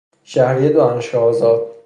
شهریه دانشگاه آزاد.